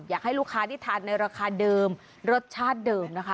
อยากให้ลูกค้าที่ทานในราคาเดิมรสชาติเดิมนะคะ